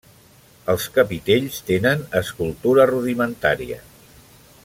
Els capitells tenen escultura rudimentària.